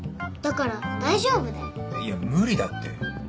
いや無理だって